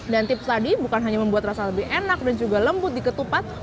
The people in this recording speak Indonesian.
dan tips tadi bukan hanya membuat rasa lebih enak dan juga lembut di ketupat